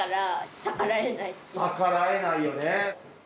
逆らえないよね。